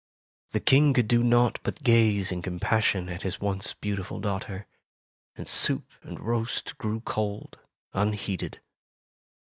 The King could do naught but gaze in compassion at his once beautiful daughter, and soup and roast grew cold, unheeded.